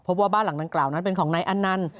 ว่าบ้านหลังดังกล่าวนั้นเป็นของนายอันนันต์